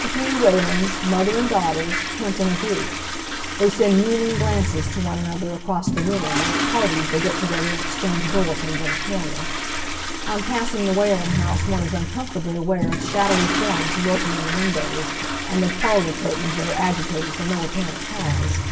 The three Whalens mother and daughters hunt in a group. They send meaning glances to one another across the room, and at parties they get together and exchange bulletins in a corner. On passing the Whalen house one is uncomfortably aware of shadowy forms lurking in the windows, and of parlor curtains that are agitated for no apparent cause.